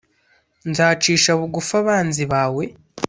Nzacisha bugufi abanzi bawe